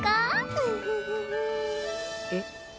えっ？